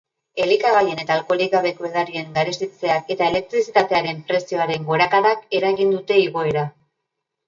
Elikagaien eta alkoholik gabeko edarien garestitzeak eta elektrizitatearen prezioaren gorakadak eragin dute igoera.